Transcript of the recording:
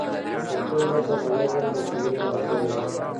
د پښتو نثر او نظم د ښوونې اړتیا لري.